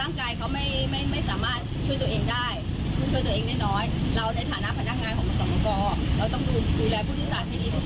ในการช่วยเหลือทั้งผู้ด้วยโอกาส